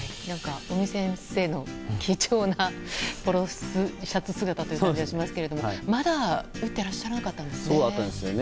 尾身先生の貴重なポロシャツ姿という気がしますがまだ打っていらっしゃらなかったんですね。